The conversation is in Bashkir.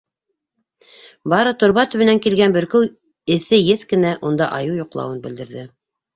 Бары торба төбөнән килгән бөркөү эҫе еҫ кенә унда айыу йоҡлауын белдерҙе.